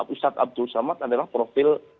ustadz abdul somad adalah profil